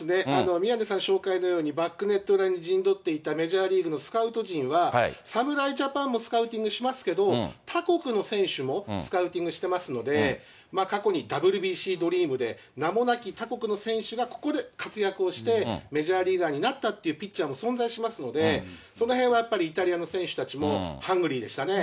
宮根さん紹介のように、バックネット裏に陣取っていたメジャーリーグのスカウト陣は、侍ジャパンもスカウティングしますけど、他国の選手もスカウティングしてますので、過去にＷＢＣドリームで、名もなき他国の選手がここで活躍をして、メジャーリーガーになったっていうピッチャーも存在しますので、そのへんはやっぱりイタリアの選手たちもハングリーでしたね。